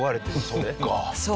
そっか。